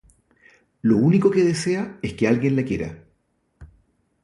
Lo único que desea es que alguien le quiera.